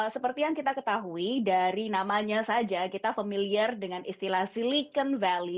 seperti yang kita ketahui dari namanya saja kita familiar dengan istilah silicon valley